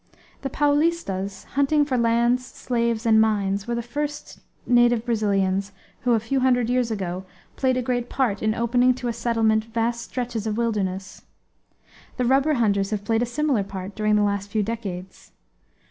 The Paolistas, hunting for lands, slaves, and mines, were the first native Brazilians who, a hundred years ago, played a great part in opening to settlement vast stretches of wilderness. The rubber hunters have played a similar part during the last few decades.